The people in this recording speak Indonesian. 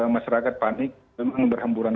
masyarakat panik memang berhamburan